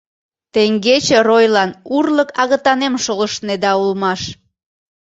Теҥгече ройлан урлык агытанем шолыштнеда улмаш!